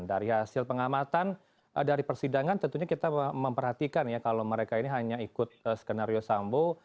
dari hasil pengamatan dari persidangan tentunya kita memperhatikan ya kalau mereka ini hanya ikut skenario sambo